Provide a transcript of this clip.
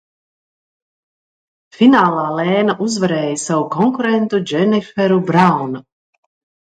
Finālā Lēna uzvarēja savu konkurentu Dženiferu Braunu.